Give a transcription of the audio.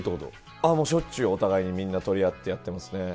ああ、もうしょっちゅう、お互いにみんな取り合ってやってますね。